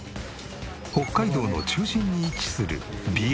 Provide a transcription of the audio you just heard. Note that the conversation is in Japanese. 北海道の中心に位置する美瑛。